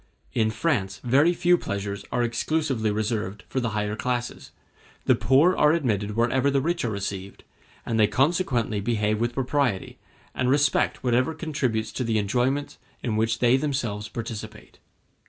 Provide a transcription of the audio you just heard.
In France very few pleasures are exclusively reserved for the higher classes; the poor are admitted wherever the rich are received, and they consequently behave with propriety, and respect whatever contributes to the enjoyments in which they themselves participate.